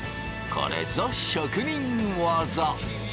これぞ職人技！